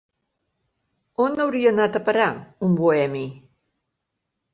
On hauria anat a parar, un "boemi"?